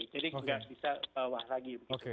jadi nggak bisa bawah lagi